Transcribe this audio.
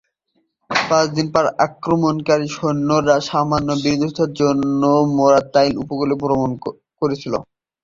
পাঁচ দিন পর, আক্রমণকারী সৈন্যরা সামান্য বিরোধিতার জন্য মোরাতাই উপকূলে আক্রমণ করেছিল।